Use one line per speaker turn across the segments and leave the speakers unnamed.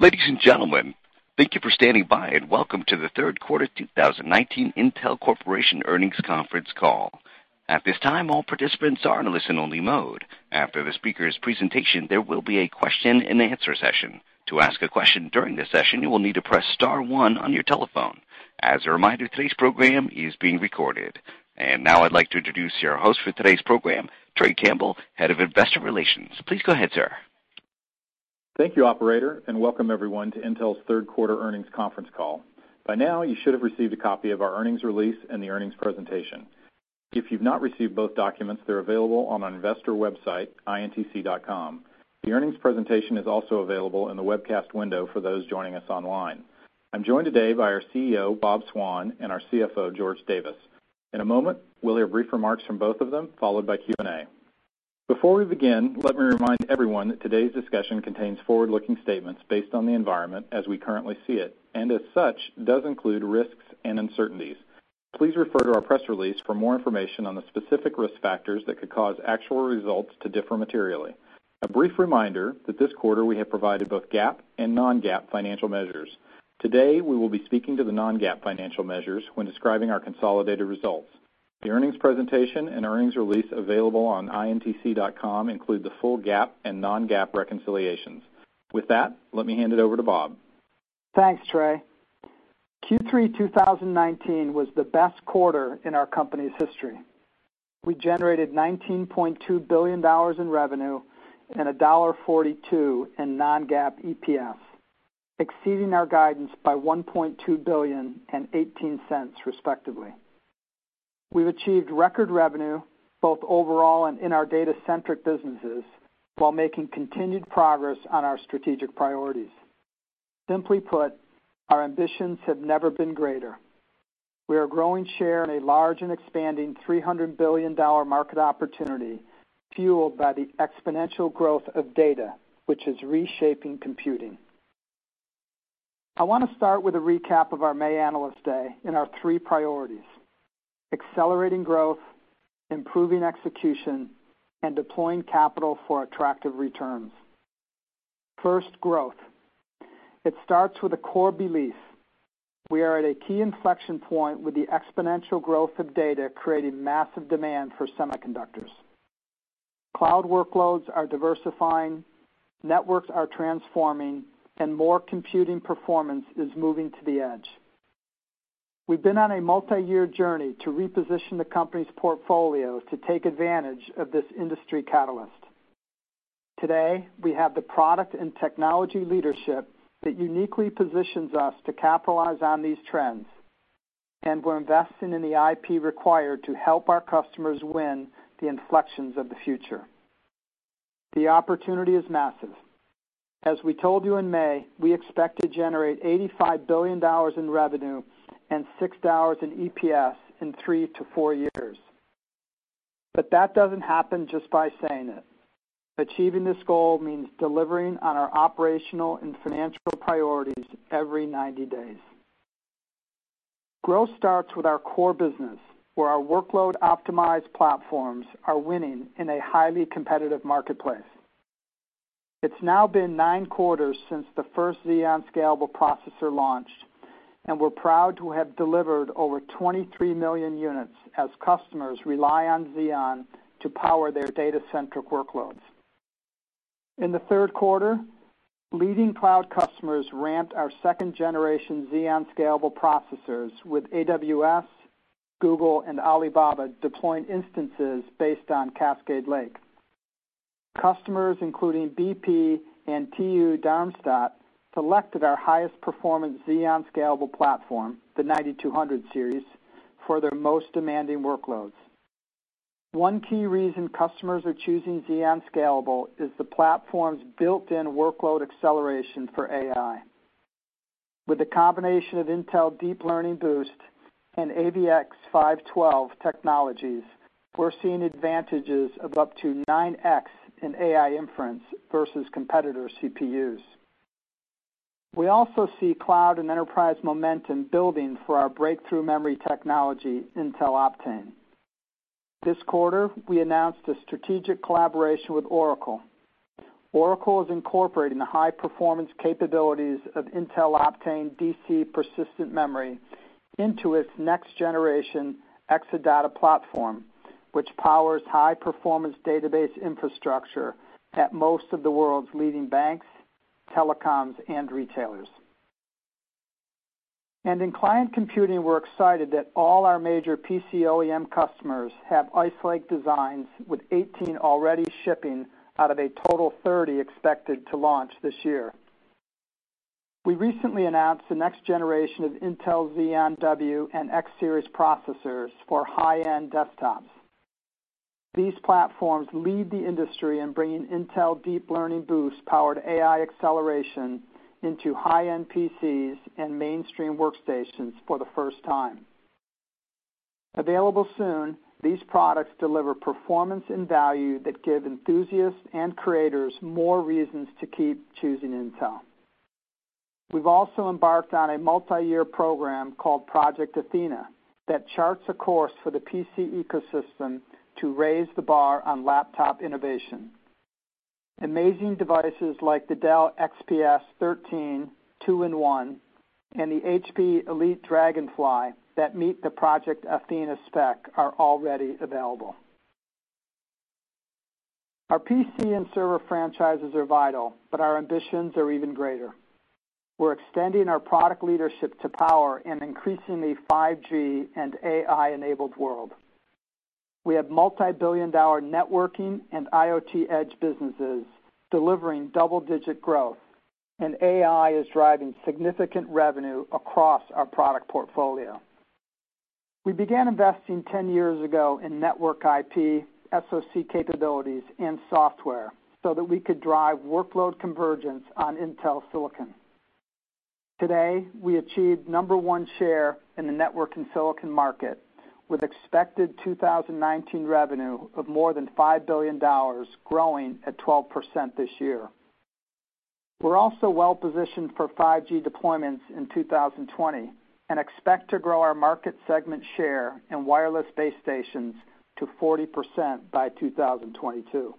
Ladies and gentlemen, thank you for standing by. Welcome to the third quarter 2019 Intel Corporation earnings conference call. At this time, all participants are in listen only mode. After the speaker's presentation, there will be a question and answer session. To ask a question during the session, you will need to press star one on your telephone. As a reminder, today's program is being recorded. Now I'd like to introduce your host for today's program, Trey Campbell, Head of Investor Relations. Please go ahead, sir.
Thank you, operator, and welcome everyone to Intel's third quarter earnings conference call. By now, you should have received a copy of our earnings release and the earnings presentation. If you've not received both documents, they're available on our investor website, intc.com. The earnings presentation is also available in the webcast window for those joining us online. I'm joined today by our CEO, Bob Swan, and our CFO, George Davis. In a moment, we'll hear brief remarks from both of them, followed by Q&A. Before we begin, let me remind everyone that today's discussion contains forward-looking statements based on the environment as we currently see it, and as such, does include risks and uncertainties. Please refer to our press release for more information on the specific risk factors that could cause actual results to differ materially. A brief reminder that this quarter we have provided both GAAP and non-GAAP financial measures. Today, we will be speaking to the non-GAAP financial measures when describing our consolidated results. The earnings presentation and earnings release available on intc.com include the full GAAP and non-GAAP reconciliations. With that, let me hand it over to Bob.
Thanks, Trey. Q3 2019 was the best quarter in our company's history. We generated $19.2 billion in revenue and $1.42 in non-GAAP EPS, exceeding our guidance by $1.2 billion and $0.18, respectively. We've achieved record revenue both overall and in our data-centric businesses while making continued progress on our strategic priorities. Simply put, our ambitions have never been greater. We are growing share in a large and expanding $300 billion market opportunity fueled by the exponential growth of data, which is reshaping computing. I want to start with a recap of our May Analyst Day and our three priorities, accelerating growth, improving execution, and deploying capital for attractive returns. First, growth. It starts with a core belief. We are at a key inflection point with the exponential growth of data creating massive demand for semiconductors. Cloud workloads are diversifying, networks are transforming, and more computing performance is moving to the edge. We've been on a multi-year journey to reposition the company's portfolio to take advantage of this industry catalyst. Today, we have the product and technology leadership that uniquely positions us to capitalize on these trends, and we're investing in the IP required to help our customers win the inflections of the future. The opportunity is massive. As we told you in May, we expect to generate $85 billion in revenue and $6 in EPS in three to four years. That doesn't happen just by saying it. Achieving this goal means delivering on our operational and financial priorities every 90 days. Growth starts with our core business, where our workload optimized platforms are winning in a highly competitive marketplace. It's now been nine quarters since the first Xeon Scalable processor launched, and we're proud to have delivered over 23 million units as customers rely on Xeon to power their data center workloads. In the third quarter, leading cloud customers ramped our second generation Xeon Scalable processors with AWS, Google, and Alibaba deploying instances based on Cascade Lake. Customers including BP and TU Darmstadt selected our highest performance Xeon Scalable platform, the 9200 Series, for their most demanding workloads. One key reason customers are choosing Xeon Scalable is the platform's built-in workload acceleration for AI. With the combination of Intel Deep Learning Boost and AVX-512 technologies, we're seeing advantages of up to 9x in AI inference versus competitor CPUs. This quarter, we announced a strategic collaboration with Oracle. Oracle is incorporating the high-performance capabilities of Intel Optane DC persistent memory into its next generation Exadata platform, which powers high-performance database infrastructure at most of the world's leading banks, telecoms, and retailers. In client computing, we're excited that all our major PC OEM customers have Ice Lake designs, with 18 already shipping out of a total 30 expected to launch this year. We recently announced the next generation of Intel Xeon W and X-series processors for high-end desktops. These platforms lead the industry in bringing Intel Deep Learning Boost-powered AI acceleration into high-end PCs and mainstream workstations for the first time. Available soon, these products deliver performance and value that give enthusiasts and creators more reasons to keep choosing Intel. We've also embarked on a multi-year program called Project Athena that charts a course for the PC ecosystem to raise the bar on laptop innovation. Amazing devices like the Dell XPS 13 2-in-1 and the HP Elite Dragonfly that meet the Project Athena spec are already available. Our PC and server franchises are vital, but our ambitions are even greater. We're extending our product leadership to power an increasingly 5G and AI-enabled world. We have multi-billion-dollar networking and IoT edge businesses delivering double-digit growth, and AI is driving significant revenue across our product portfolio. We began investing 10 years ago in network IP, SoC capabilities, and software so that we could drive workload convergence on Intel Silicon. Today, we achieved number one share in the network and silicon market, with expected 2019 revenue of more than $5 billion, growing at 12% this year. We're also well-positioned for 5G deployments in 2020 and expect to grow our market segment share in wireless base stations to 40% by 2022.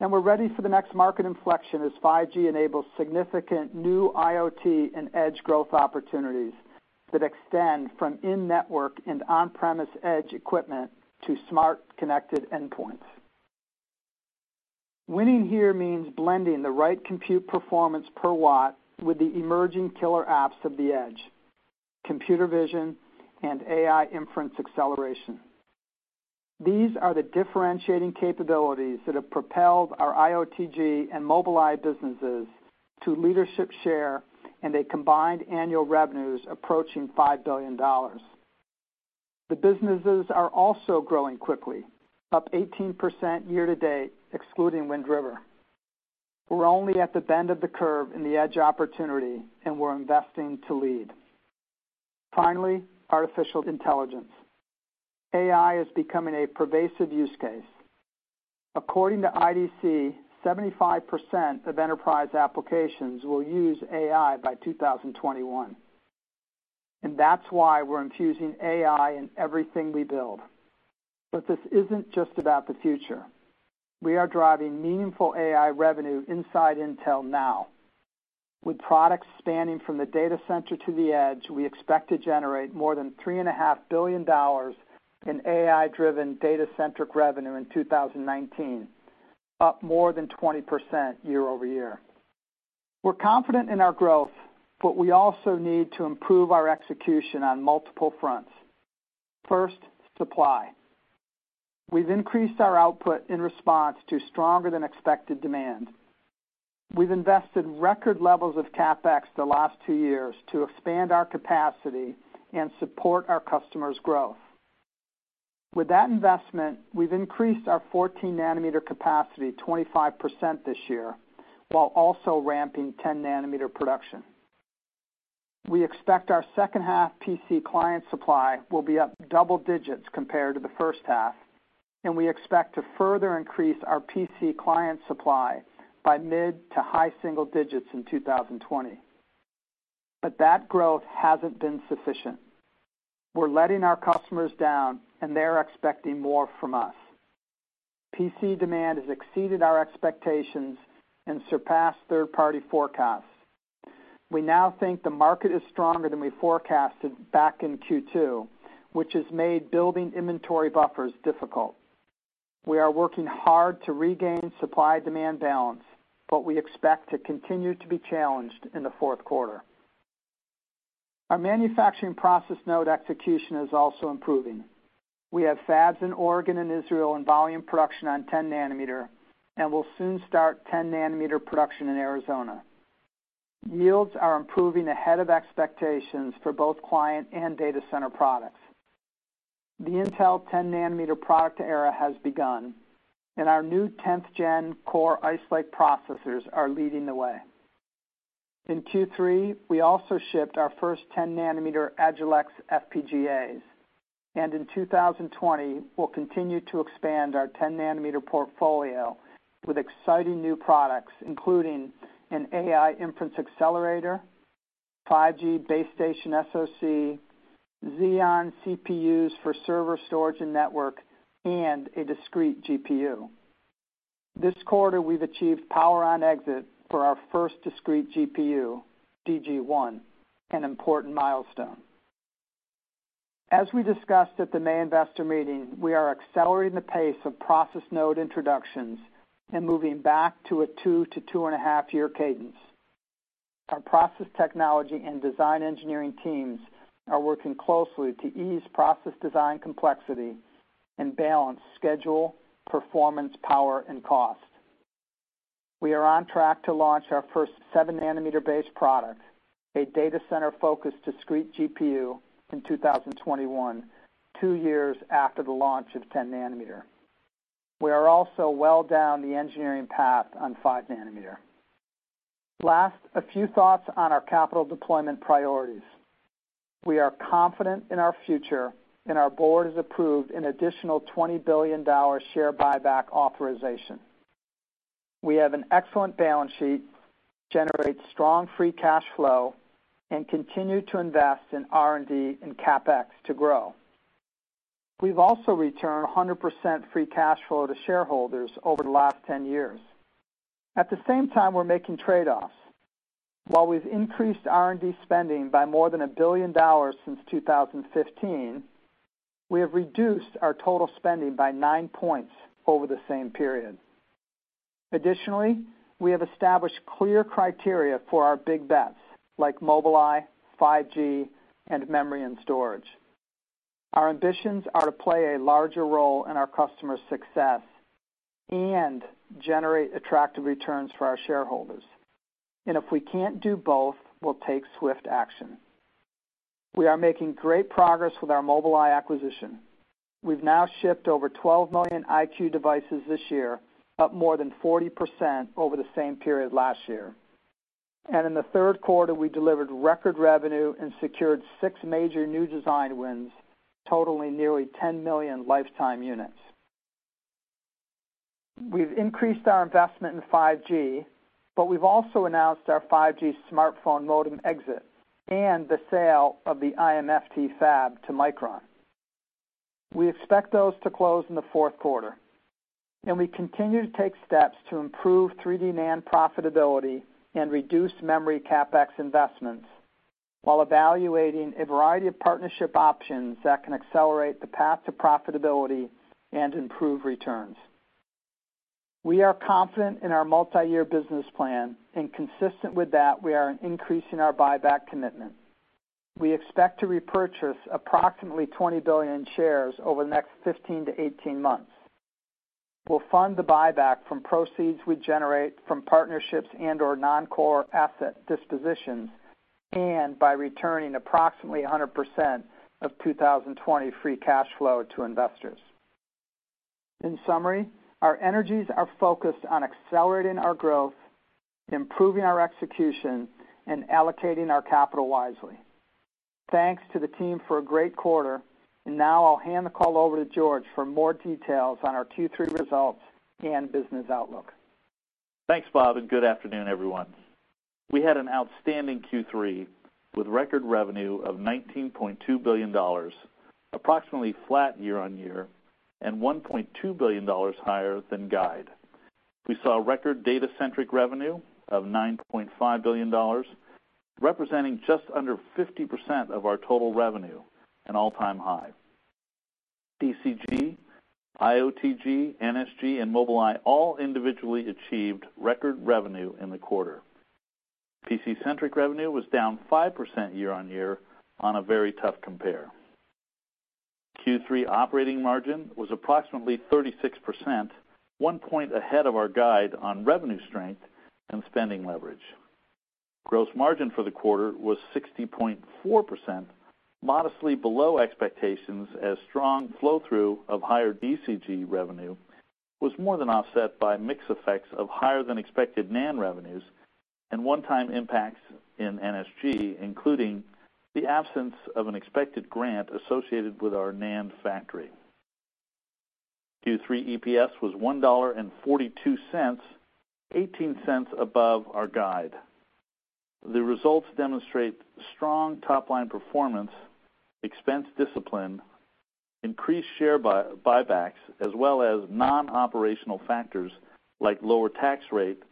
We're ready for the next market inflection as 5G enables significant new IoT and edge growth opportunities that extend from in-network and on-premise edge equipment to smart connected endpoints. Winning here means blending the right compute performance per watt with the emerging killer apps of the edge, computer vision, and AI inference acceleration. These are the differentiating capabilities that have propelled our IoTG and Mobileye businesses to leadership share and a combined annual revenues approaching $5 billion. The businesses are also growing quickly, up 18% year-to-date, excluding Wind River. We're only at the bend of the curve in the edge opportunity, and we're investing to lead. Finally, artificial intelligence. AI is becoming a pervasive use case. According to IDC, 75% of enterprise applications will use AI by 2021, and that's why we're infusing AI in everything we build. This isn't just about the future. We are driving meaningful AI revenue inside Intel now. With products spanning from the data center to the edge, we expect to generate more than $3.5 billion in AI-driven data centric revenue in 2019, up more than 20% year-over-year. We're confident in our growth, but we also need to improve our execution on multiple fronts. First, supply. We've increased our output in response to stronger than expected demand. We've invested record levels of CapEx the last two years to expand our capacity and support our customers' growth. With that investment, we've increased our 14-nanometer capacity 25% this year, while also ramping 10-nanometer production. We expect our second half PC client supply will be up double digits compared to the first half, and we expect to further increase our PC client supply by mid to high single digits in 2020. That growth hasn't been sufficient. We're letting our customers down, and they're expecting more from us. PC demand has exceeded our expectations and surpassed third-party forecasts. We now think the market is stronger than we forecasted back in Q2, which has made building inventory buffers difficult. We are working hard to regain supply-demand balance, but we expect to continue to be challenged in the fourth quarter. Our manufacturing process node execution is also improving. We have fabs in Oregon and Israel in volume production on 10-nanometer, and will soon start 10-nanometer production in Arizona. Yields are improving ahead of expectations for both client and data center products. The Intel 10-nanometer product era has begun, and our new 10th Gen Core Ice Lake processors are leading the way. In Q3, we also shipped our first 10-nanometer Agilex FPGAs. In 2020, we'll continue to expand our 10-nanometer portfolio with exciting new products, including an AI inference accelerator, 5G base station SoC, Xeon CPUs for server storage and network, and a discrete GPU. This quarter, we've achieved power on exit for our first discrete GPU, DG1, an important milestone. As we discussed at the May investor meeting, we are accelerating the pace of process node introductions and moving back to a two to two-and-a-half year cadence. Our process technology and design engineering teams are working closely to ease process design complexity and balance schedule, performance, power, and cost. We are on track to launch our first seven-nanometer base product, a data center-focused discrete GPU, in 2021, two years after the launch of 10-nanometer. We are also well down the engineering path on five nanometer. Last, a few thoughts on our capital deployment priorities. We are confident in our future, our board has approved an additional $20 billion share buyback authorization. We have an excellent balance sheet, generate strong free cash flow, and continue to invest in R&D and CapEx to grow. We've also returned 100% free cash flow to shareholders over the last 10 years. At the same time, we're making trade-offs. While we've increased R&D spending by more than $1 billion since 2015, we have reduced our total spending by 9 points over the same period. Additionally, we have established clear criteria for our big bets, like Mobileye, 5G, and memory and storage. Our ambitions are to play a larger role in our customers' success and generate attractive returns for our shareholders. If we can't do both, we'll take swift action. We are making great progress with our Mobileye acquisition. We've now shipped over 12 million EyeQ devices this year, up more than 40% over the same period last year. In the third quarter, we delivered record revenue and secured six major new design wins, totaling nearly 10 million lifetime units. We've increased our investment in 5G, but we've also announced our 5G smartphone modem exit and the sale of the IMFT fab to Micron. We expect those to close in the fourth quarter, and we continue to take steps to improve 3D NAND profitability and reduce memory CapEx investments while evaluating a variety of partnership options that can accelerate the path to profitability and improve returns. We are confident in our multi-year business plan, and consistent with that, we are increasing our buyback commitment. We expect to repurchase approximately 20 billion shares over the next 15 to 18 months. We'll fund the buyback from proceeds we generate from partnerships and/or non-core asset dispositions, and by returning approximately 100% of 2020 free cash flow to investors. In summary, our energies are focused on accelerating our growth, improving our execution, and allocating our capital wisely. Thanks to the team for a great quarter. Now I'll hand the call over to George for more details on our Q3 results and business outlook.
Thanks, Bob, good afternoon, everyone. We had an outstanding Q3 with record revenue of $19.2 billion, approximately flat year-on-year, and $1.2 billion higher than guide. We saw record data-centric revenue of $9.5 billion, representing just under 50% of our total revenue, an all-time high. DCG, IOTG, NSG, and Mobileye all individually achieved record revenue in the quarter. PC-centric revenue was down 5% year-on-year on a very tough compare. Q3 operating margin was approximately 36%, one point ahead of our guide on revenue strength and spending leverage. Gross margin for the quarter was 60.4%, modestly below expectations as strong flow-through of higher DCG revenue was more than offset by mix effects of higher than expected NAND revenues and one-time impacts in NSG, including the absence of an expected grant associated with our NAND factory. Q3 EPS was $1.42, $0.18 above our guide. The results demonstrate strong top-line performance, expense discipline, increased share buybacks, as well as non-operational factors like lower tax rate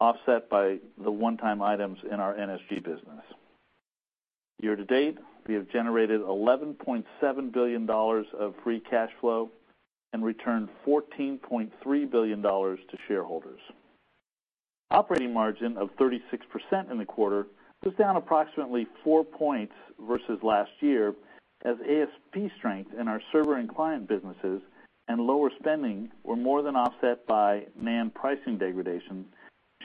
offset by the one-time items in our NSG business. Year-to-date, we have generated $11.7 billion of free cash flow and returned $14.3 billion to shareholders. Operating margin of 36% in the quarter was down approximately four points versus last year as ASP strength in our server and client businesses and lower spending were more than offset by NAND pricing degradation,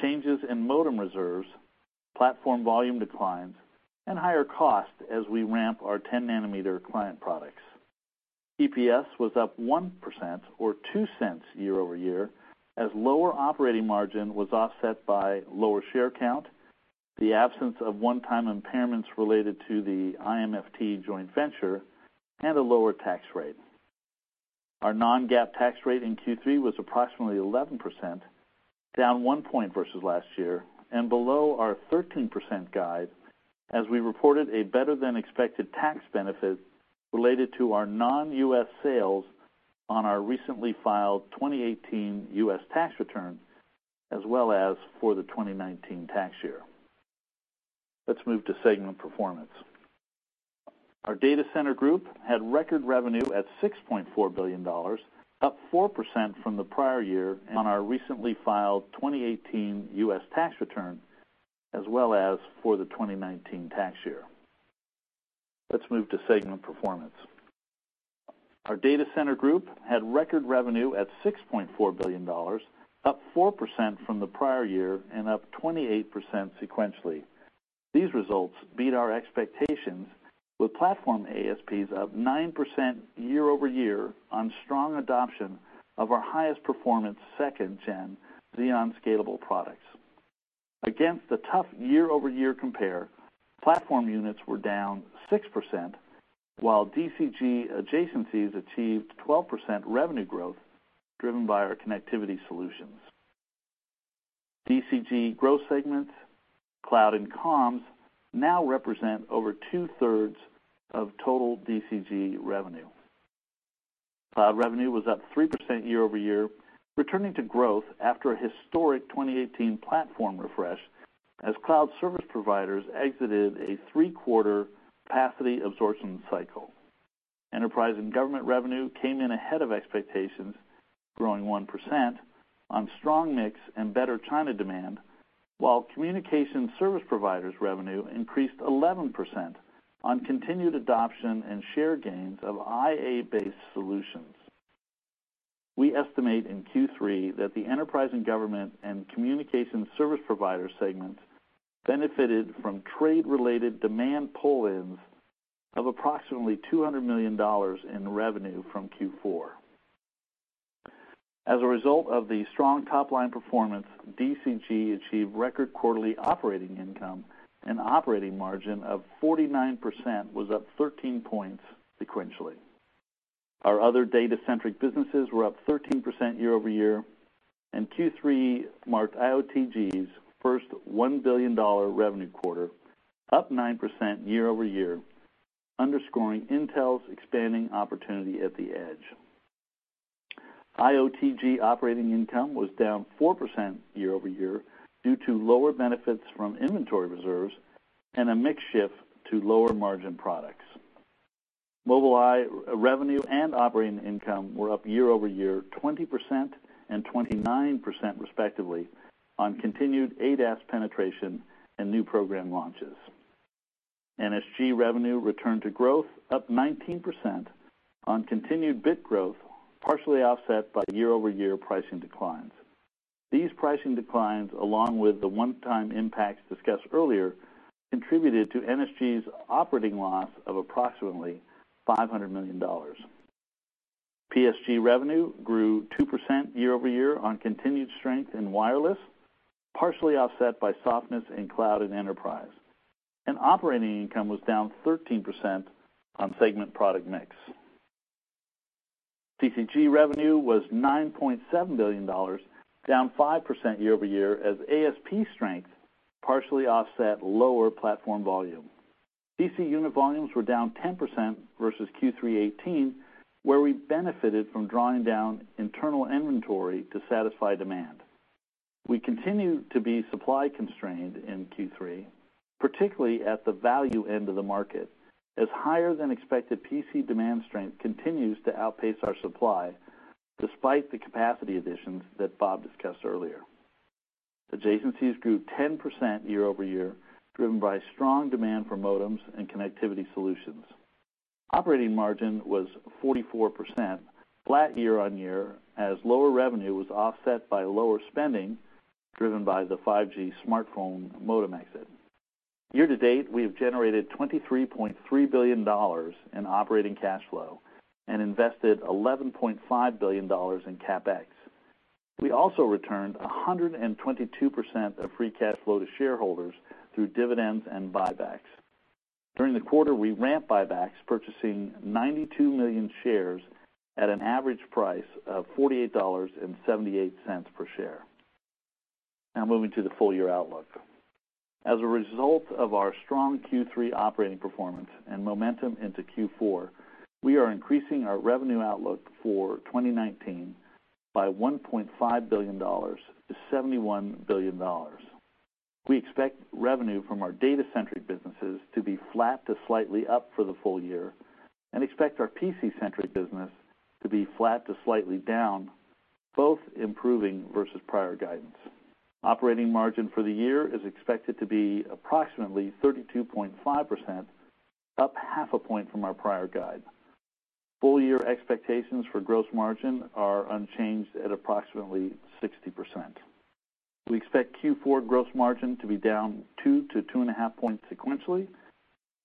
changes in modem reserves, platform volume declines, and higher cost as we ramp our 10-nanometer client products. EPS was up 1% or $0.02 year-over-year as lower operating margin was offset by lower share count, the absence of one-time impairments related to the IMFT joint venture, and a lower tax rate. Our non-GAAP tax rate in Q3 was approximately 11%, down one point versus last year and below our 13% guide as we reported a better-than-expected tax benefit related to our non-U.S. sales on our recently filed 2018 U.S. tax return as well as for the 2019 tax year. Let's move to segment performance. Our Data Center Group had record revenue at $6.4 billion, up 4% from the prior year and up 28% sequentially. These results beat our expectations with platform ASPs up 9% year-over-year on strong adoption of our highest performance second-gen Xeon Scalable products. Against the tough year-over-year compare, platform units were down 6%, while DCG adjacencies achieved 12% revenue growth, driven by our connectivity solutions. DCG growth segments, cloud and comms now represent over two-thirds of total DCG revenue. Cloud revenue was up 3% year-over-year, returning to growth after a historic 2018 platform refresh, as cloud service providers exited a three-quarter capacity absorption cycle. Enterprise and government revenue came in ahead of expectations, growing 1% on strong mix and better China demand, while communication service providers revenue increased 11% on continued adoption and share gains of IA-based solutions. We estimate in Q3 that the enterprise and government and communication service provider segments benefited from trade-related demand pull-ins of approximately $200 million in revenue from Q4. As a result of the strong top-line performance, DCG achieved record quarterly operating income, and operating margin of 49% was up 13 points sequentially. Our other data centric businesses were up 13% year-over-year, and Q3 marked IoTG's first $1 billion revenue quarter, up 9% year-over-year, underscoring Intel's expanding opportunity at the edge. IoTG operating income was down 4% year-over-year due to lower benefits from inventory reserves and a mix shift to lower margin products. Mobileye revenue and operating income were up year-over-year 20% and 29%, respectively, on continued ADAS penetration and new program launches. NSG revenue returned to growth, up 19% on continued bit growth, partially offset by year-over-year pricing declines. These pricing declines, along with the one-time impacts discussed earlier, contributed to NSG's operating loss of approximately $500 million. PSG revenue grew 2% year-over-year on continued strength in wireless, partially offset by softness in cloud and enterprise. Operating income was down 13% on segment product mix. DCG revenue was $9.7 billion, down 5% year-over-year as ASP strength partially offset lower platform volume. DC unit volumes were down 10% versus Q3 2018, where we benefited from drawing down internal inventory to satisfy demand. We continue to be supply constrained in Q3, particularly at the value end of the market, as higher than expected PC demand strength continues to outpace our supply despite the capacity additions that Bob discussed earlier. Adjacencies grew 10% year-over-year, driven by strong demand for modems and connectivity solutions. Operating margin was 44%, flat year-on-year, as lower revenue was offset by lower spending, driven by the 5G smartphone modem exit. Year to date, we have generated $23.3 billion in operating cash flow and invested $11.5 billion in CapEx. We also returned 122% of free cash flow to shareholders through dividends and buybacks. During the quarter, we ramped buybacks, purchasing 92 million shares at an average price of $48.78 per share. Now moving to the full year outlook. As a result of our strong Q3 operating performance and momentum into Q4, we are increasing our revenue outlook for 2019 by $1.5 billion to $71 billion. We expect revenue from our data centric businesses to be flat to slightly up for the full year, and expect our PC centric business to be flat to slightly down, both improving versus prior guidance. Operating margin for the year is expected to be approximately 32.5%, up half a point from our prior guide. Full year expectations for gross margin are unchanged at approximately 60%. We expect Q4 gross margin to be down 2 to 2.5 points sequentially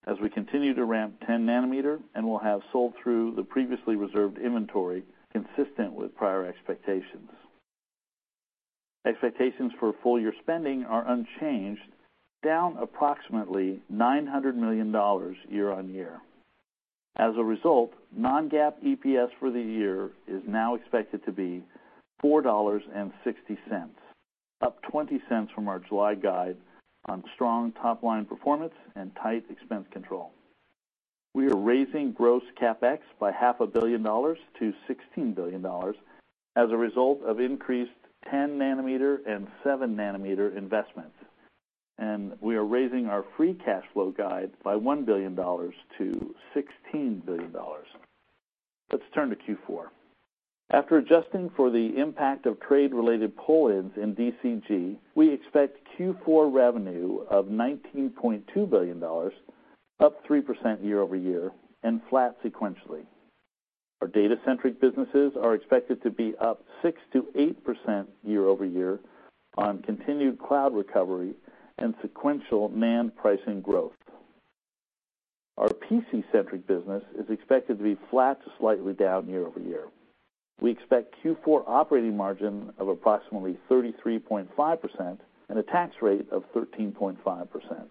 as we continue to ramp 10-nanometer and will have sold through the previously reserved inventory consistent with prior expectations. Expectations for full year spending are unchanged, down approximately $900 million year-on-year. As a result, non-GAAP EPS for the year is now expected to be $4.60, up $0.20 from our July guide on strong top-line performance and tight expense control. We are raising gross CapEx by half a billion dollars to $16 billion as a result of increased 10-nanometer and 7-nanometer investments. We are raising our free cash flow guide by $1 billion to $16 billion. Let's turn to Q4. After adjusting for the impact of trade-related pull-ins in DCG, we expect Q4 revenue of $19.2 billion, up 3% year-over-year and flat sequentially. Our data centric businesses are expected to be up 6%-8% year-over-year on continued cloud recovery and sequential NAND pricing growth. Our PC-centric business is expected to be flat to slightly down year-over-year. We expect Q4 operating margin of approximately 33.5% and a tax rate of 13.5%.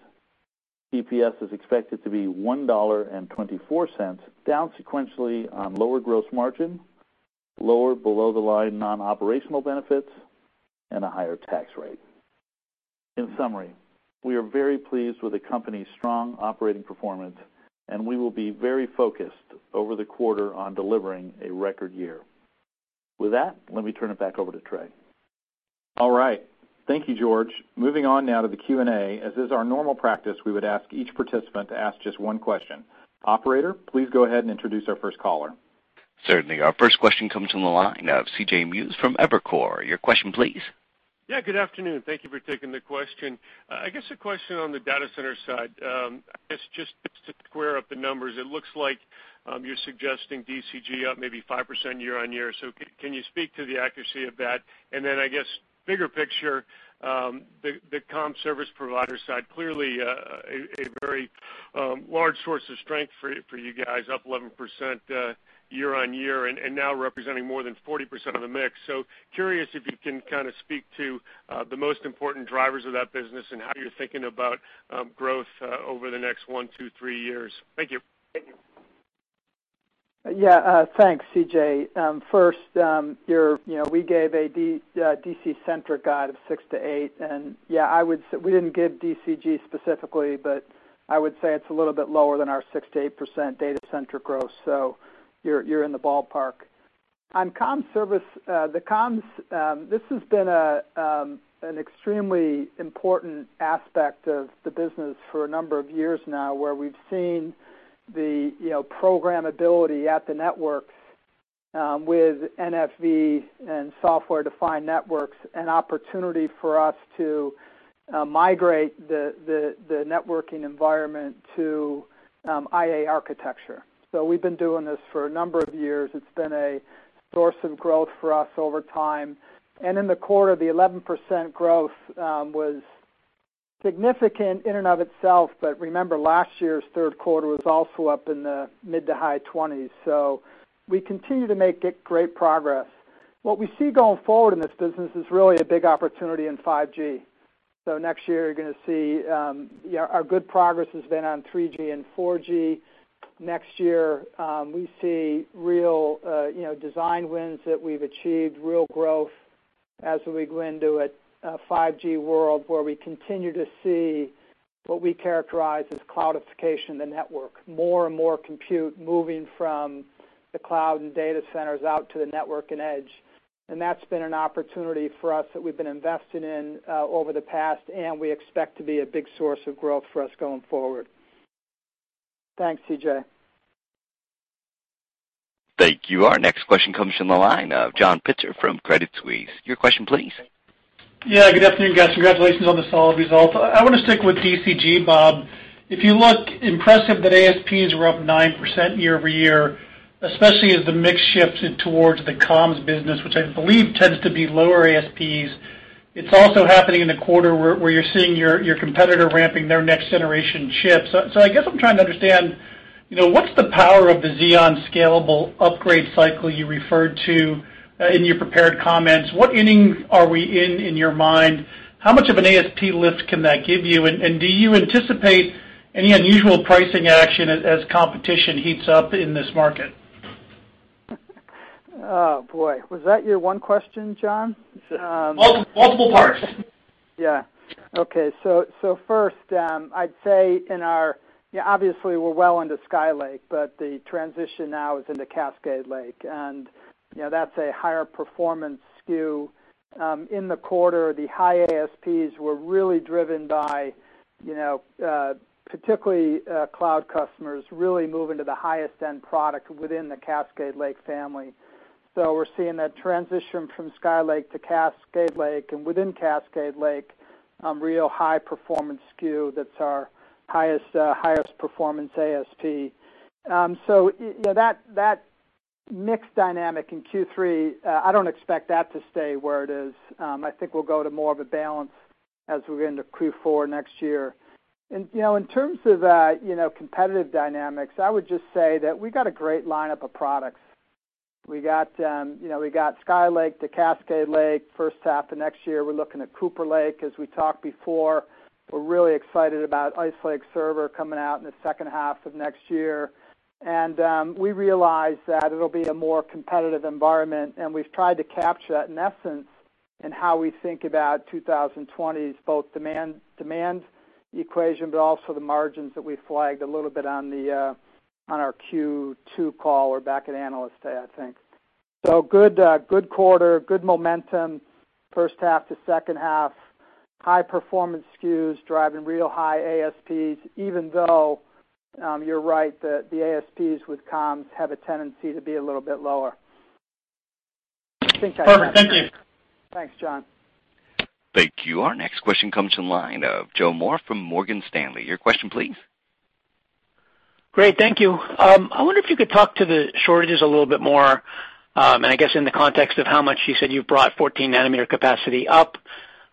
EPS is expected to be $1.24, down sequentially on lower gross margin, lower below the line non-operational benefits, and a higher tax rate. In summary, we are very pleased with the company's strong operating performance, and we will be very focused over the quarter on delivering a record year. With that, let me turn it back over to Trey.
All right. Thank you, George. Moving on now to the Q&A. As is our normal practice, we would ask each participant to ask just one question. Operator, please go ahead and introduce our first caller.
Certainly. Our first question comes from the line of C.J. Muse from Evercore. Your question, please.
Yeah, good afternoon. Thank you for taking the question. I guess a question on the data center side. I guess just to square up the numbers, it looks like you're suggesting DCG up maybe 5% year-on-year, can you speak to the accuracy of that? I guess, bigger picture, the comm service provider side, clearly a very large source of strength for you guys, up 11% year-on-year and now representing more than 40% of the mix. Curious if you can kind of speak to the most important drivers of that business and how you're thinking about growth over the next one, two, three years. Thank you.
Yeah. Thanks, C.J. First, we gave a DC-centric guide of 6%-8%, and we didn't give DCG specifically, but I would say it's a little bit lower than our 6%-8% data center growth, so you're in the ballpark. On comm service, this has been an extremely important aspect of the business for a number of years now, where we've seen the programmability at the network, with NFV and software-defined networks, an opportunity for us to migrate the networking environment to IA architecture. We've been doing this for a number of years. It's been a source of growth for us over time. In the quarter, the 11% growth was significant in and of itself, but remember, last year's third quarter was also up in the mid-to-high 20s, so we continue to make great progress. What we see going forward in this business is really a big opportunity in 5G. Next year you're going to see our good progress has been on 3G and 4G. Next year, we see real design wins that we've achieved, real growth as we go into a 5G world where we continue to see what we characterize as cloudification the network. More and more compute moving from the cloud and data centers out to the network and edge. And that's been an opportunity for us that we've been investing in over the past, and we expect to be a big source of growth for us going forward. Thanks, C.J.
Thank you. Our next question comes from the line of John Pitzer from Credit Suisse. Your question, please.
Yeah, good afternoon, guys. Congratulations on the solid results. I want to stick with DCG, Bob. If you look, impressive that ASPs were up 9% year-over-year, especially as the mix shifted towards the comms business, which I believe tends to be lower ASPs. It's also happening in a quarter where you're seeing your competitor ramping their next-generation chips. I guess I'm trying to understand, what's the power of the Xeon Scalable upgrade cycle you referred to in your prepared comments? What inning are we in your mind? How much of an ASP lift can that give you? Do you anticipate any unusual pricing action as competition heats up in this market?
Oh, boy. Was that your one question, John?
Multiple parts.
First, I'd say, obviously, we're well into Skylake, but the transition now is into Cascade Lake, and that's a higher performance SKU. In the quarter, the high ASPs were really driven by, particularly cloud customers, really moving to the highest-end product within the Cascade Lake family. We're seeing that transition from Skylake to Cascade Lake, and within Cascade Lake, real high-performance SKU, that's our highest performance ASP. That mix dynamic in Q3, I don't expect that to stay where it is. I think we'll go to more of a balance as we go into Q4 next year. In terms of competitive dynamics, I would just say that we've got a great lineup of products. We got Skylake to Cascade Lake. First half of next year, we're looking at Cooper Lake, as we talked before. We're really excited about Ice Lake server coming out in the second half of next year. We realize that it'll be a more competitive environment, and we've tried to capture that in essence in how we think about 2020's both demand equation, but also the margins that we flagged a little bit on our Q2 call or back at Analyst Day, I think. Good quarter, good momentum, first half to second half, high performance SKUs driving real high ASPs, even though, you're right, the ASPs with comms have a tendency to be a little bit lower.
Perfect. Thank you.
Thanks, John.
Thank you. Our next question comes from the line of Joseph Moore from Morgan Stanley. Your question, please.
Great. Thank you. I wonder if you could talk to the shortages a little bit more, and I guess in the context of how much you said you've brought 14-nanometer capacity up.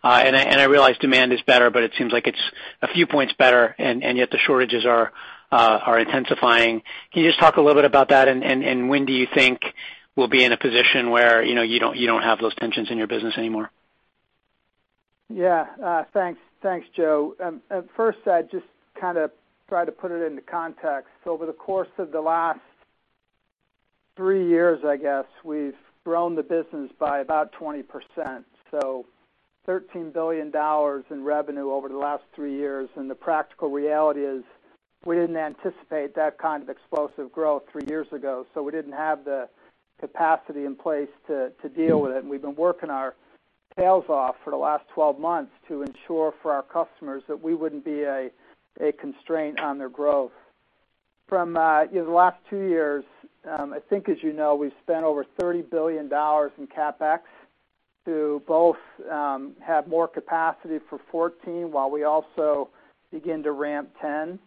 I realize demand is better, but it seems like it's a few points better, and yet the shortages are intensifying. Can you just talk a little bit about that? When do you think we'll be in a position where you don't have those tensions in your business anymore?
Yeah. Thanks, Joe. First, just try to put it into context. Over the course of the last three years, I guess, we've grown the business by about 20%, so $13 billion in revenue over the last three years, and the practical reality is we didn't anticipate that kind of explosive growth three years ago, so we didn't have the capacity in place to deal with it. We've been working our tails off for the last 12 months to ensure for our customers that we wouldn't be a constraint on their growth. From the last two years, I think, as you know, we've spent over $30 billion in CapEx to both have more capacity for 14, while we also begin to ramp 10.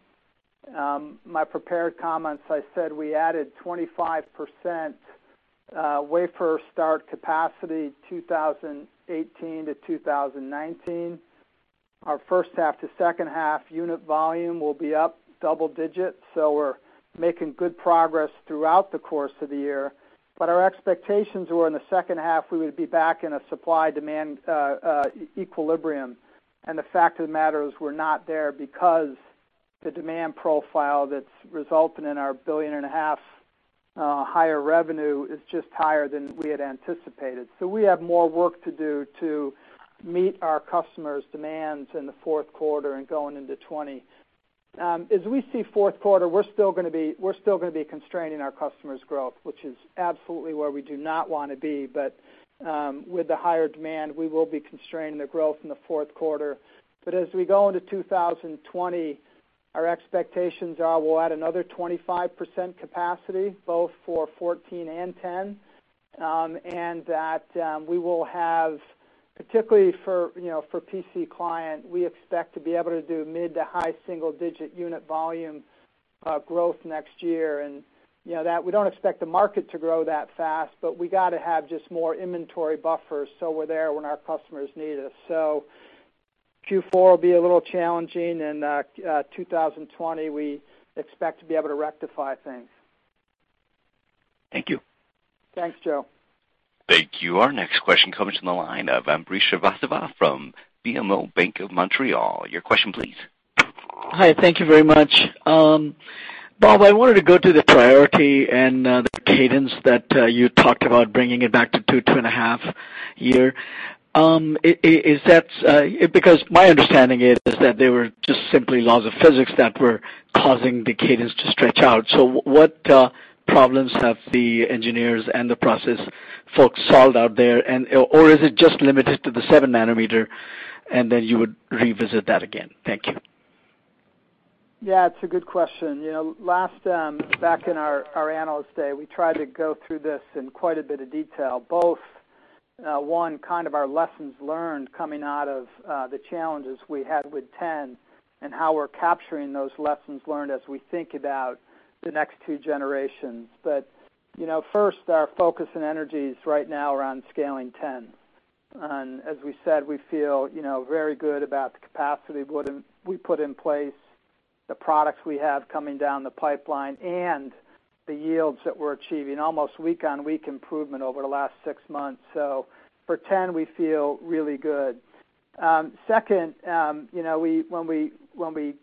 My prepared comments, I said we added 25% wafer start capacity 2018 to 2019. Our first half to second half unit volume will be up double digits, so we're making good progress throughout the course of the year. Our expectations were in the second half, we would be back in a supply-demand equilibrium, and the fact of the matter is we're not there because the demand profile that's resulting in our billion and a half higher revenue is just higher than we had anticipated. We have more work to do to meet our customers' demands in the fourth quarter and going into 2020. As we see fourth quarter, we're still going to be constraining our customers' growth, which is absolutely where we do not want to be. With the higher demand, we will be constraining their growth in the fourth quarter. As we go into 2020, our expectations are we'll add another 25% capacity, both for 14 and 10, and that we will have, particularly for PC client, we expect to be able to do mid to high single-digit unit volume growth next year, and we don't expect the market to grow that fast, but we got to have just more inventory buffers so we're there when our customers need us. Q4 will be a little challenging, and 2020, we expect to be able to rectify things.
Thank you.
Thanks, Joe.
Thank you. Our next question comes from the line of Ambrish Srivastava from BMO Bank of Montreal. Your question, please.
Hi. Thank you very much. Bob, I wanted to go to the priority and the cadence that you talked about bringing it back to 2.5 year. My understanding is that they were just simply laws of physics that were causing the cadence to stretch out. What problems have the engineers and the process folks solved out there? Is it just limited to the 7-nanometer, and then you would revisit that again? Thank you.
Yeah, it's a good question. Back in our Analyst Day, we tried to go through this in quite a bit of detail, both one, kind of our lessons learned coming out of the challenges we had with 10 and how we're capturing those lessons learned as we think about the next two generations. First, our focus and energies right now are on scaling 10. As we said, we feel very good about the capacity we put in place, the products we have coming down the pipeline, and the yields that we're achieving, almost week-on-week improvement over the last six months. For 10, we feel really good. Second, when we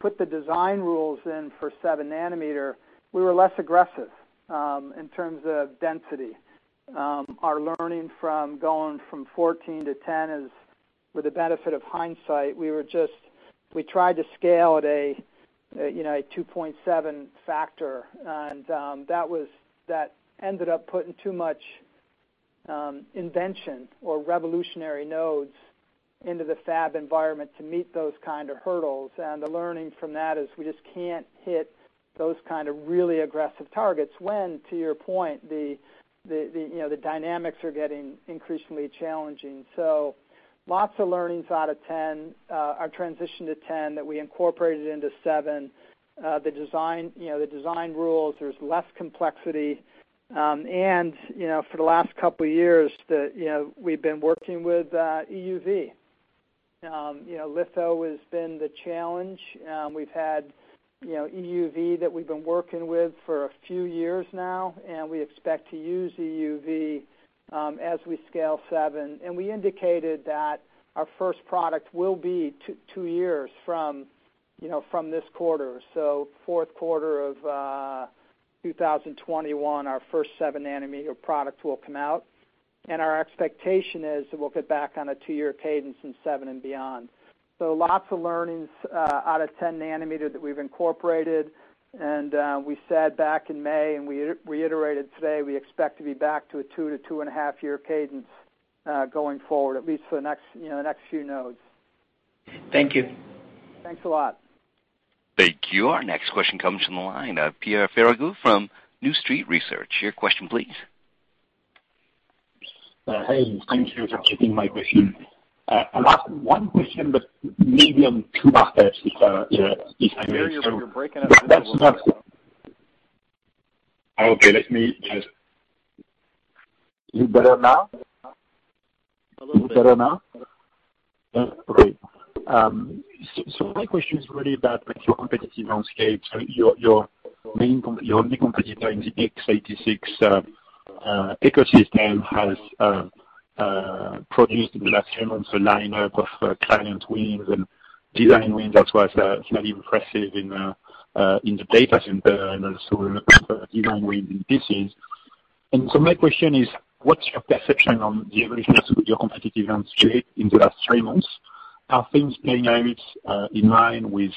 put the design rules in for 7-nanometer, we were less aggressive in terms of density. Our learning from going from 14 to 10 is, with the benefit of hindsight, we tried to scale at a 2.7 factor, and that ended up putting too much invention or revolutionary nodes into the fab environment to meet those kind of hurdles, and the learning from that is we just can't hit those kind of really aggressive targets when, to your point, the dynamics are getting increasingly challenging. Lots of learnings out of 10, our transition to 10 that we incorporated into 7. The design rules, there's less complexity. For the last couple of years, we've been working with EUV. Litho has been the challenge. We've had EUV that we've been working with for a few years now, and we expect to use EUV as we scale 7, and we indicated that our first product will be two years from this quarter. Fourth quarter of 2021, our first 7-nanometer product will come out, and our expectation is that we'll get back on a 2-year cadence in 7 and beyond. Lots of learnings out of 10-nanometer that we've incorporated, and we said back in May, and we reiterated today, we expect to be back to a 2 to 2.5 year cadence going forward, at least for the next few nodes.
Thank you.
Thanks a lot.
Thank you. Our next question comes from the line of Pierre Ferragu from New Street Research. Your question, please.
Hey, thanks for taking my question. I'll ask one question, but maybe two after if I may.
Pierre, you're breaking up a little bit.
Okay, You better now?
A little bit.
You better now?
Yeah.
Great. My question is really about your competitive landscape. Your only competitor in the x86 ecosystem has produced, in the last few months, a lineup of client wins and design wins that was fairly impressive in the data center and also design wins in PCs. My question is: what's your perception on the evolution of your competitive landscape in the last three months? Are things playing out in line with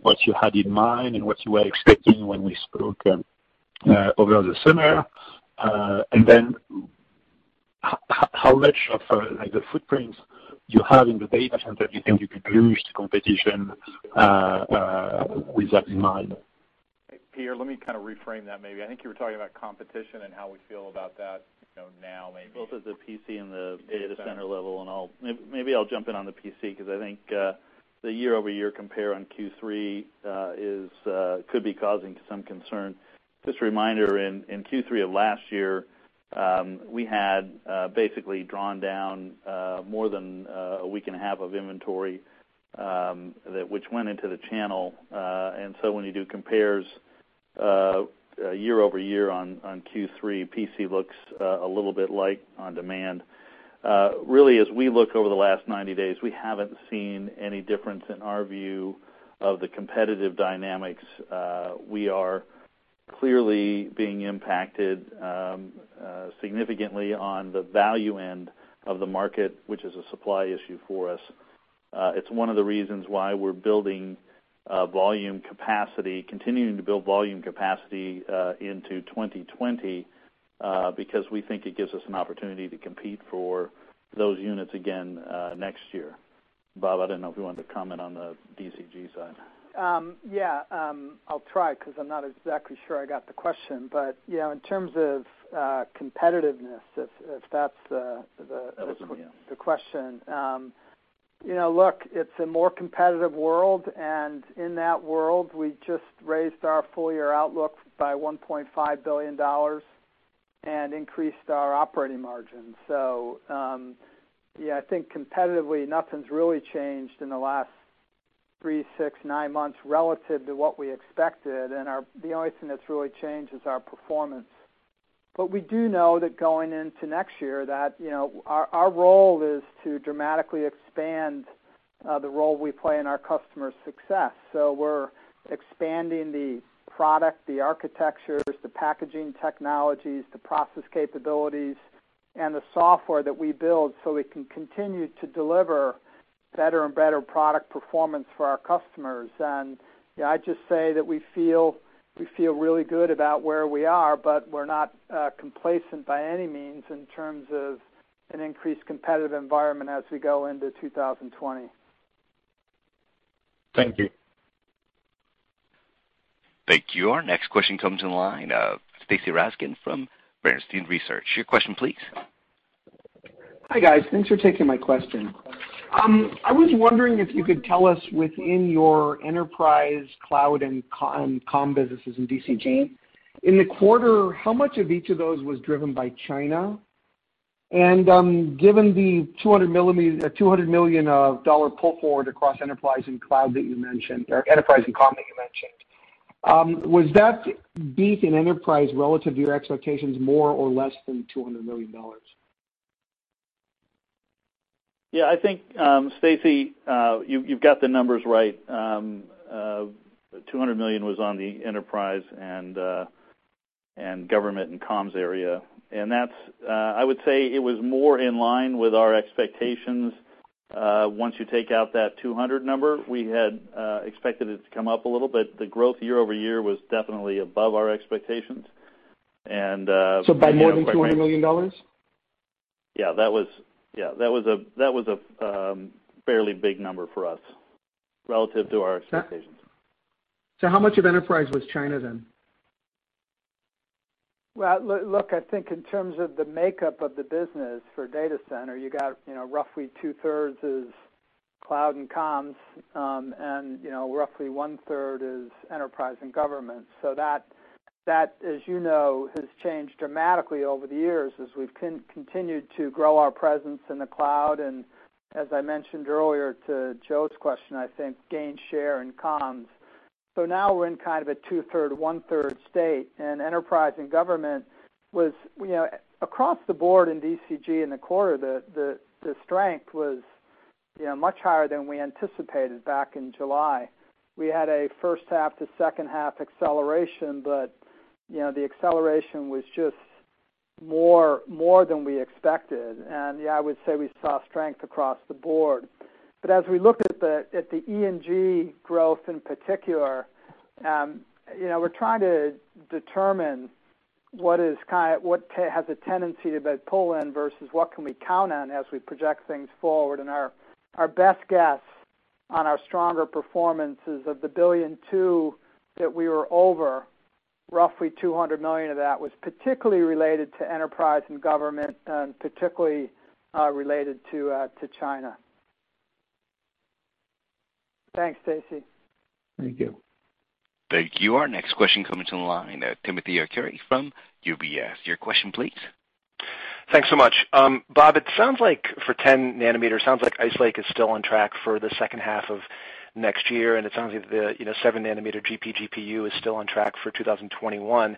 what you had in mind and what you were expecting when we spoke over the summer? Then how much of the footprints you have in the data center do you think you could lose to competition with that in mind?
Pierre, let me kind of reframe that, maybe. I think you were talking about competition and how we feel about that now, maybe.
Both at the PC and the data center level, maybe I'll jump in on the PC because I think the year-over-year compare on Q3 could be causing some concern. Just a reminder, in Q3 of last year, we had basically drawn down more than a week and a half of inventory, which went into the channel. When you do compares year-over-year on Q3, PC looks a little bit light on demand. Really, as we look over the last 90 days, we haven't seen any difference in our view of the competitive dynamics. We are clearly being impacted significantly on the value end of the market, which is a supply issue for us. It's one of the reasons why we're building volume capacity, continuing to build volume capacity into 2020, because we think it gives us an opportunity to compete for those units again next year. Bob, I don't know if you want to comment on the DCG side.
Yeah. I'll try, because I'm not exactly sure I got the question. Yeah, in terms of competitiveness, if that's the.
That was it, yeah.
The question. Look, it's a more competitive world. In that world, we just raised our full-year outlook by $1.5 billion and increased our operating margin. Yeah, I think competitively, nothing's really changed in the last three, six, nine months relative to what we expected. The only thing that's really changed is our performance. We do know that going into next year that our role is to dramatically expand the role we play in our customers' success. We're expanding the product, the architectures, the packaging technologies, the process capabilities, and the software that we build so we can continue to deliver better and better product performance for our customers. Yeah, I'd just say that we feel really good about where we are, but we're not complacent by any means in terms of an increased competitive environment as we go into 2020.
Thank you.
Thank you. Our next question comes on the line. Stacy Rasgon from Bernstein Research. Your question, please.
Hi, guys. Thanks for taking my question. I was wondering if you could tell us within your enterprise cloud and comm businesses in DCG, in the quarter, how much of each of those was driven by China? Given the $200 million pull forward across enterprise and cloud that you mentioned, or enterprise and comm that you mentioned, was that beat in enterprise relative to your expectations, more or less than $200 million?
Yeah, I think, Stacy, you've got the numbers right. $200 million was on the enterprise and government and comms area. That's, I would say, it was more in line with our expectations. Once you take out that 200 number, we had expected it to come up a little bit. The growth year-over-year was definitely above our expectations and
By more than $200 million?
Yeah, that was a fairly big number for us relative to our expectations.
How much of enterprise was China then?
Well, look, I think in terms of the makeup of the business for data center, you got roughly two-thirds is cloud and comms, and roughly one-third is enterprise and government. That, as you know, has changed dramatically over the years as we've continued to grow our presence in the cloud, and as I mentioned earlier to Joe's question, I think, gain share in comms. Now we're in kind of a two-third, one-third state, and enterprise and government was Across the board in DCG in the quarter, the strength was much higher than we anticipated back in July. We had a first half to second half acceleration, but the acceleration was just more than we expected. Yeah, I would say we saw strength across the board. As we look at the E&G growth in particular, we're trying to determine what has a tendency to pull in versus what can we count on as we project things forward. Our best guess on our stronger performances of the $1.2 billion that we were over, roughly $200 million of that was particularly related to enterprise and government and particularly related to China. Thanks, Stacy.
Thank you.
Thank you. Our next question coming to the line, Timothy Arcuri from UBS. Your question, please.
Thanks so much. Bob, it sounds like for 10-nanometer, sounds like Ice Lake is still on track for the second half of next year. It sounds like the 7-nanometer GPGPU is still on track for 2021.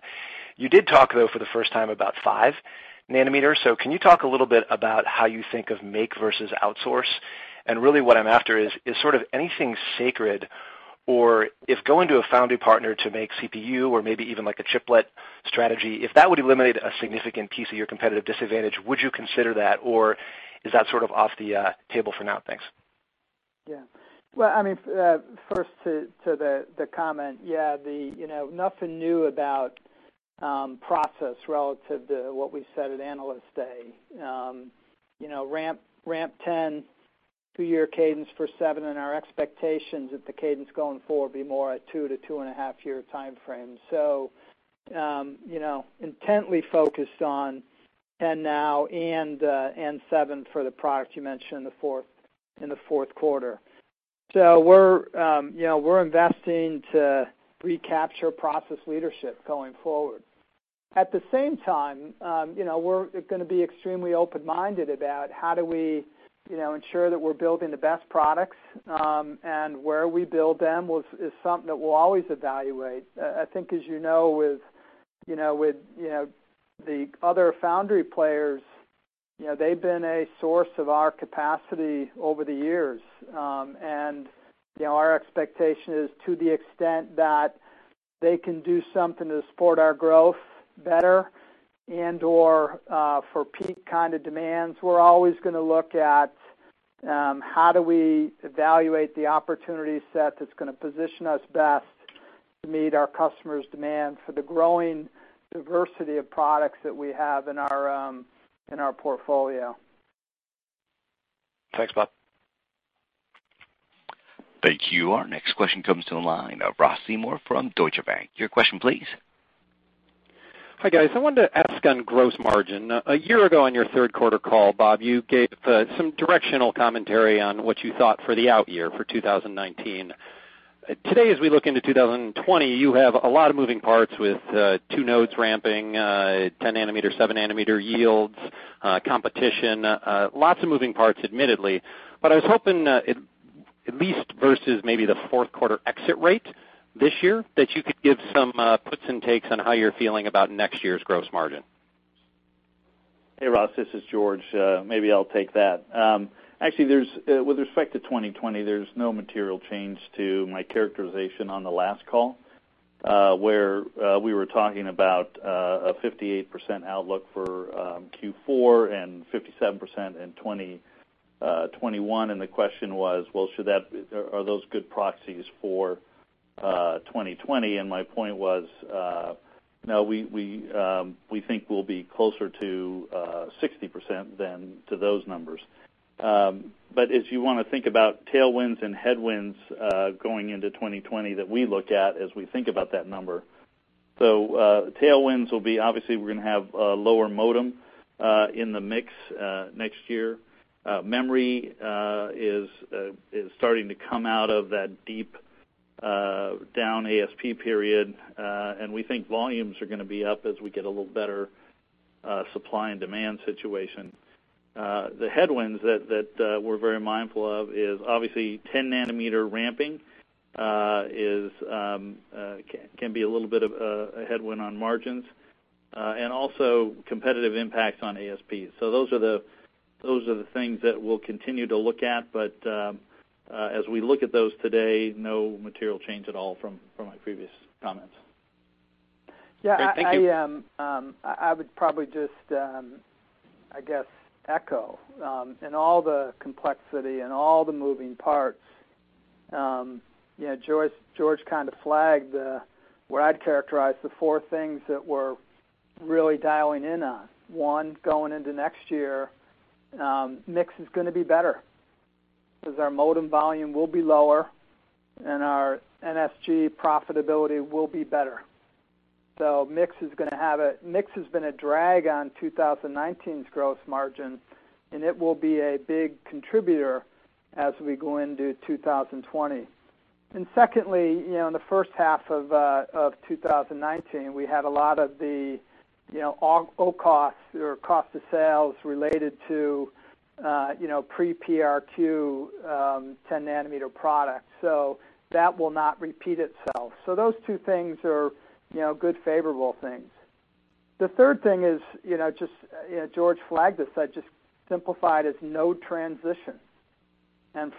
You did talk, though, for the first time about 5-nanometer. Can you talk a little bit about how you think of make versus outsource? Really what I'm after is sort of anything sacred or if going to a foundry partner to make CPU or maybe even like a chiplet strategy, if that would eliminate a significant piece of your competitive disadvantage, would you consider that, or is that sort of off the table for now? Thanks.
First to the comment. Nothing new about process relative to what we said at Analyst Day. Ramp 10, two-year cadence for seven, and our expectations that the cadence going forward will be more at two to two-and-a-half-year time frames. Intently focused on 10 now and seven for the products you mentioned in the fourth quarter. We're investing to recapture process leadership going forward. At the same time, we're going to be extremely open-minded about how do we ensure that we're building the best products, and where we build them is something that we'll always evaluate. I think as you know, with the other foundry players, they've been a source of our capacity over the years. Our expectation is to the extent that they can do something to support our growth better and/or for peak kind of demands, we're always going to look at how do we evaluate the opportunity set that's going to position us best to meet our customers' demand for the growing diversity of products that we have in our portfolio.
Thanks, Bob.
Thank you. Our next question comes to the line. Ross Seymore from Deutsche Bank. Your question, please.
Hi, guys. I wanted to ask on gross margin. A year ago on your third quarter call, Bob, you gave some directional commentary on what you thought for the out year for 2019. Today, as we look into 2020, you have a lot of moving parts with 2 nodes ramping, 10-nanometer, 7-nanometer yields, competition, lots of moving parts, admittedly. I was hoping at least versus maybe the fourth quarter exit rate this year, that you could give some puts and takes on how you're feeling about next year's gross margin.
Hey, Ross, this is George. Maybe I'll take that. Actually, with respect to 2020, there's no material change to my characterization on the last call, where we were talking about a 58% outlook for Q4 and 57% in 2021, and the question was, are those good proxies for 2020? My point was, no, we think we'll be closer to 60% than to those numbers. If you want to think about tailwinds and headwinds going into 2020 that we look at as we think about that number. Tailwinds will be obviously we're going to have a lower modem in the mix next year. Memory is starting to come out of that deep, down ASP period. We think volumes are going to be up as we get a little better supply and demand situation. The headwinds that we're very mindful of is obviously 10-nanometer ramping can be a little bit of a headwind on margins, and also competitive impacts on ASPs. Those are the things that we'll continue to look at, but as we look at those today, no material change at all from my previous comments.
Great. Thank you.
I would probably just, I guess, echo in all the complexity and all the moving parts. George kind of flagged what I'd characterize the four things that we're really dialing in on. One, going into next year, mix is going to be better because our modem volume will be lower, and our NSG profitability will be better. Mix has been a drag on 2019's gross margin, and it will be a big contributor as we go into 2020. Secondly, in the first half of 2019, we had a lot of the old costs or cost of sales related to pre-PRQ 10-nanometer products, so that will not repeat itself. Those two things are good, favorable things. The third thing is, George flagged this, I just simplified as no transition.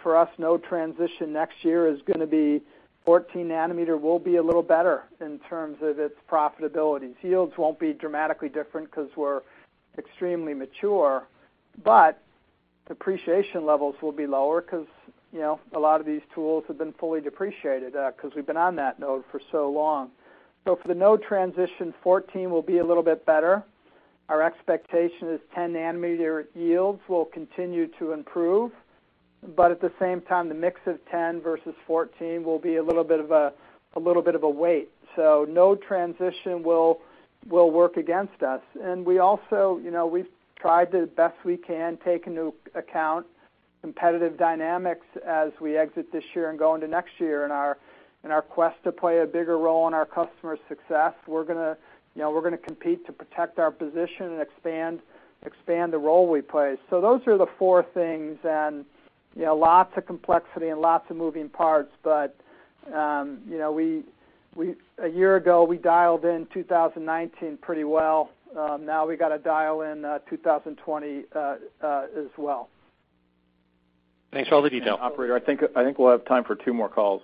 For us, no transition next year is going to be 14-nanometer will be a little better in terms of its profitability. Yields won't be dramatically different because we're extremely mature, but depreciation levels will be lower because a lot of these tools have been fully depreciated because we've been on that node for so long. For the no transition, 14 will be a little bit better. Our expectation is 10-nanometer yields will continue to improve, but at the same time, the mix of 10 versus 14 will be a little bit of a weight. No transition will work against us. We also, we've tried the best we can take into account competitive dynamics as we exit this year and go into next year in our quest to play a bigger role in our customers' success. We're going to compete to protect our position and expand the role we play. Those are the four things, and lots of complexity and lots of moving parts. A year ago, we dialed in 2019 pretty well. Now we've got to dial in 2020 as well.
Thanks for all the detail.
Operator, I think we'll have time for two more calls.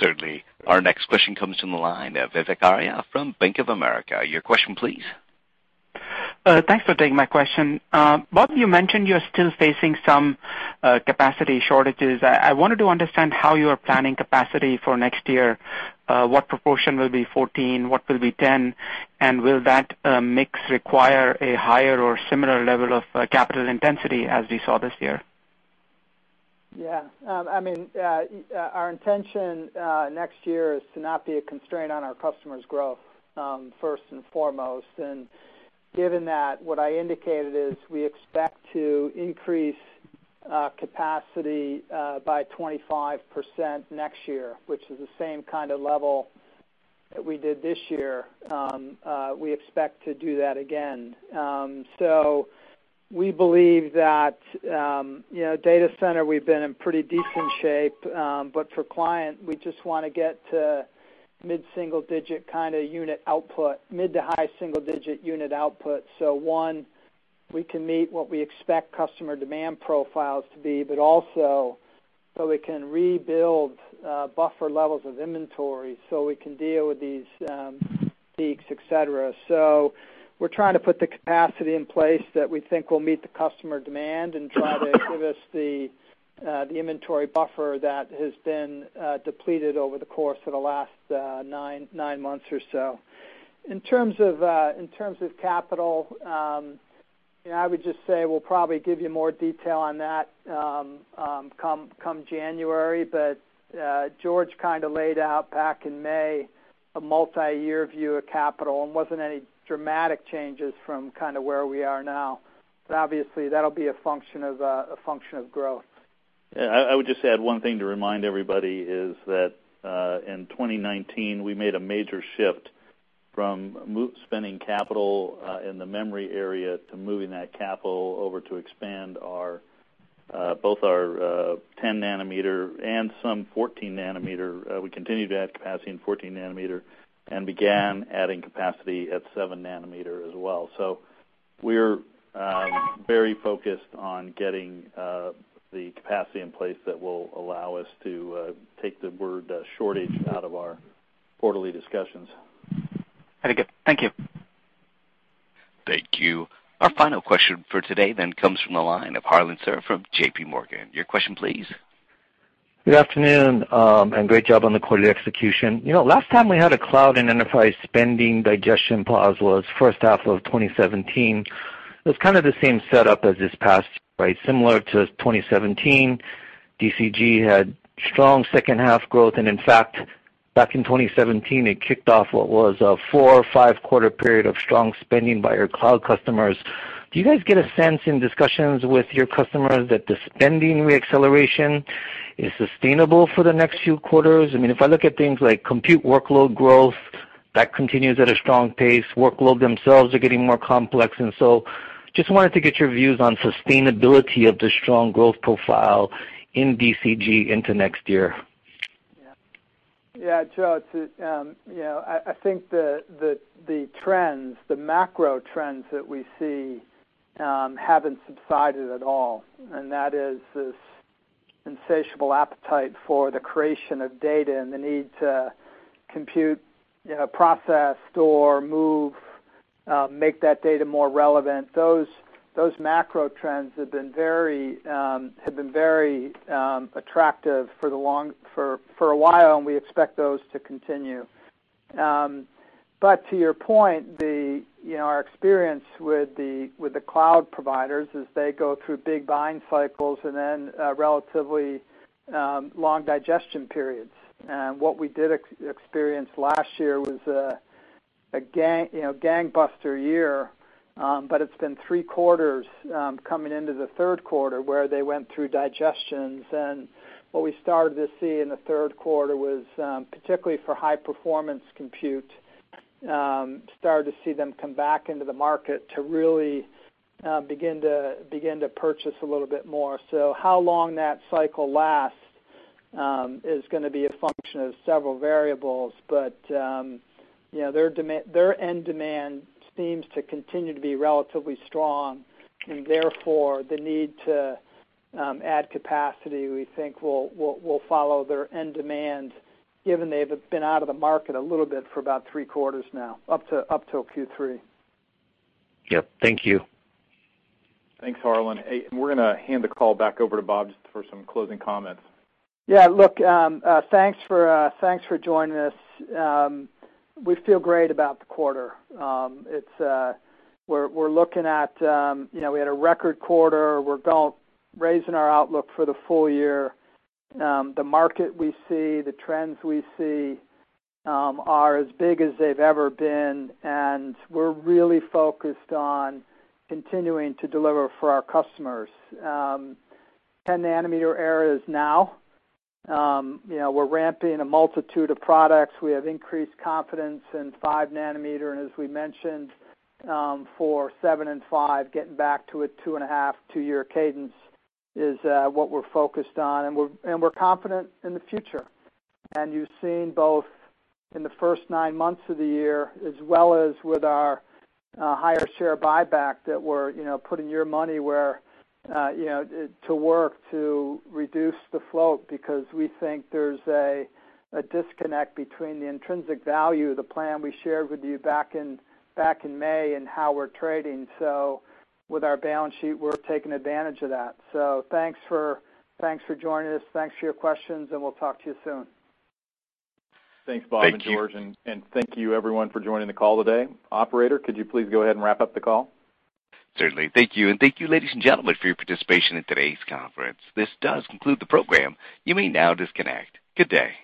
Certainly. Our next question comes from the line of Vivek Arya from Bank of America. Your question, please.
Thanks for taking my question. Bob, you mentioned you're still facing some capacity shortages. I wanted to understand how you are planning capacity for next year. What proportion will be 14, what will be 10, and will that mix require a higher or similar level of capital intensity as we saw this year?
Yeah. Our intention next year is to not be a constraint on our customers' growth, first and foremost. Given that, what I indicated is we expect to increase capacity by 25% next year, which is the same kind of level that we did this year. We expect to do that again. We believe that data center, we've been in pretty decent shape, but for client, we just want to get to mid-single-digit kind of unit output, mid to high single-digit unit output. One, we can meet what we expect customer demand profiles to be, but also so we can rebuild buffer levels of inventory so we can deal with these peaks, et cetera. We're trying to put the capacity in place that we think will meet the customer demand and try to give us the inventory buffer that has been depleted over the course of the last nine months or so. In terms of capital, I would just say we'll probably give you more detail on that come January. George kind of laid out back in May a multi-year view of capital, and wasn't any dramatic changes from where we are now. Obviously, that'll be a function of growth.
I would just add one thing to remind everybody is that, in 2019, we made a major shift from spending capital in the memory area to moving that capital over to expand both our 10-nanometer and some 14-nanometer. We continued to add capacity in 14-nanometer and began adding capacity at 7-nanometer as well. We're very focused on getting the capacity in place that will allow us to take the word shortage out of our quarterly discussions.
Very good. Thank you.
Thank you. Our final question for today comes from the line of Harlan Sur from J.P. Morgan. Your question, please.
Good afternoon. Great job on the quarterly execution. Last time we had a cloud and enterprise spending digestion pause was first half of 2017. It was kind of the same setup as this past, right? Similar to 2017, DCG had strong second half growth, and in fact, back in 2017, it kicked off what was a four or five-quarter period of strong spending by your cloud customers. Do you guys get a sense in discussions with your customers that the spending re-acceleration is sustainable for the next few quarters? If I look at things like compute workload growth, that continues at a strong pace. Workload themselves are getting more complex. Just wanted to get your views on sustainability of the strong growth profile in DCG into next year.
Yeah. Joe, I think the trends, the macro trends that we see, haven't subsided at all, and that is this insatiable appetite for the creation of data and the need to compute, process, store, move, make that data more relevant. To your point, our experience with the cloud providers is they go through big buying cycles and then relatively long digestion periods. What we did experience last year was a gangbuster year, but it's been three quarters, coming into the third quarter, where they went through digestions. What we started to see in the third quarter was, particularly for high-performance compute, started to see them come back into the market to really begin to purchase a little bit more. How long that cycle lasts is going to be a function of several variables. Their end demand seems to continue to be relatively strong, and therefore, the need to add capacity, we think will follow their end demand, given they've been out of the market a little bit for about three quarters now, up till Q3.
Yep. Thank you.
Thanks, Harlan. Hey, we're going to hand the call back over to Bob just for some closing comments.
Yeah, look. Thanks for joining us. We feel great about the quarter. We had a record quarter. We're raising our outlook for the full year. The market we see, the trends we see are as big as they've ever been, and we're really focused on continuing to deliver for our customers. 10-nanometer era is now. We're ramping a multitude of products. We have increased confidence in 5-nanometer, and as we mentioned, for seven and five, getting back to a two and a half, two-year cadence is what we're focused on, and we're confident in the future. You've seen both in the first nine months of the year, as well as with our higher share buyback, that we're putting your money where to work to reduce the float because we think there's a disconnect between the intrinsic value of the plan we shared with you back in May and how we're trading. With our balance sheet, we're taking advantage of that. Thanks for joining us. Thanks for your questions, and we'll talk to you soon.
Thanks, Bob and George. Thank you. Thank you, everyone, for joining the call today. Operator, could you please go ahead and wrap up the call?
Certainly. Thank you, and thank you, ladies and gentlemen, for your participation in today's conference. This does conclude the program. You may now disconnect. Good day.